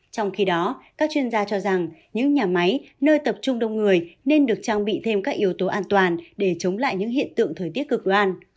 trong khi đó các chuyên gia cho rằng những nhà máy nơi tập trung đông người nên được trang bị thêm các yếu tố an toàn để chống lại những hiện tượng thời tiết cực đoan